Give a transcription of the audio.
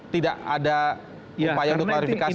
tidak ada upaya untuk klarifikasi